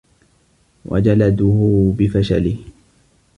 وَجَلَدُهُ بِفَشَلِهِ